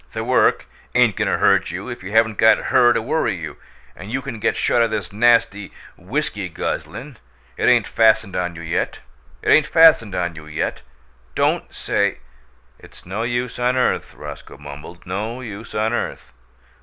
The work ain't goin' to hurt you if you haven't got her to worry you, and you can get shut o' this nasty whiskey guzzlin'; it ain't fastened on you yet. Don't say " "It's no use on earth," Roscoe mumbled. "No use on earth."